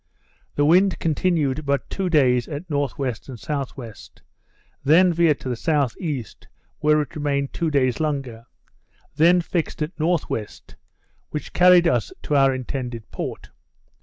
The wind continued but two days at N.W. and S.W.; then veered to the S.E., where it remained two days longer; then fixed at N.W., which carried us to our intended port.